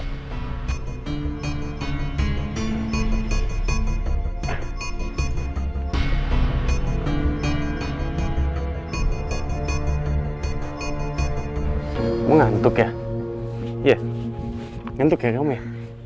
kamu ngantuk ya iya ngantuk ya kamu ya